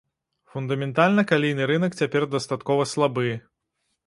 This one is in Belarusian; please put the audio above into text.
Фундаментальна калійны рынак цяпер дастаткова слабы.